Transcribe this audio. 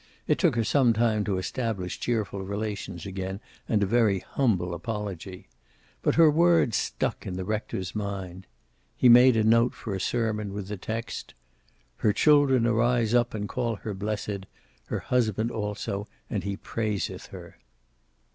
It took her some time to establish cheerful relations again, and a very humble apology. But her words stuck in the rector's mind. He made a note for a sermon, with the text: "Her children arise up, and call her blessed; her husband also, and he praiseth her."